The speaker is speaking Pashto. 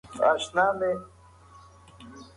د 'ي' ګانو استعمال زده کړئ.